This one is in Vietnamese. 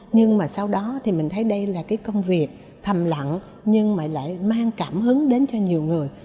nhưng mà sau đó thì mình thấy đây là cái công việc thầm lặng nhưng mà lại mang cảm hứng đến cho nhiều người